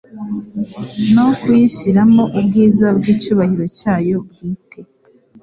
no kuyishyiramo ubwiza bw'icyubahiro cyayo bwite.